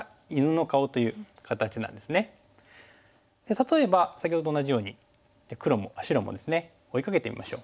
例えば先ほどと同じように白もですね追いかけてみましょう。